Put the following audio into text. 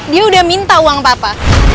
dia udah minta uang papa